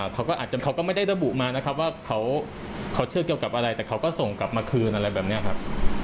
เขาก็อาจจะเขาก็ไม่ได้ระบุมานะครับว่าเขาเชื่อเกี่ยวกับอะไรแต่เขาก็ส่งกลับมาคืนอะไรแบบนี้ครับ